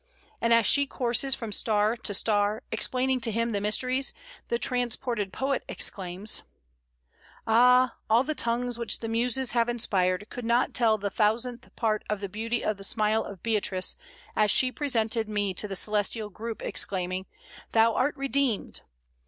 And as she courses from star to star, explaining to him the mysteries, the transported poet exclaims: "Ah, all the tongues which the Muses have inspired could not tell the thousandth part of the beauty of the smile of Beatrice as she presented me to the celestial group, exclaiming, 'Thou art redeemed!'